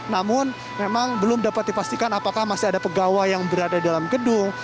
namun memang belum dapat dipastikan apakah masih ada pegawai yang berada dalam gedung